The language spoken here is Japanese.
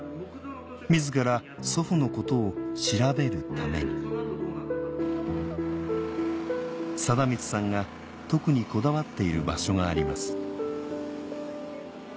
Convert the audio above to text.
自ら祖父のことを調べるために貞満さんが特にこだわっている場所があります